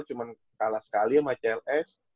cuma kalah sekali sama cls